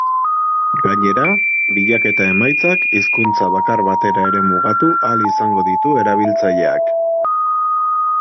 Gainera, bilaketa emaitzak hizkuntza bakar batera ere mugatu ahal izango ditu erabiltzaileak.